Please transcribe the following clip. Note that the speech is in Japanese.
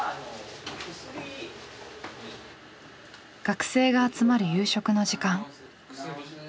学生が集まる夕食の時間。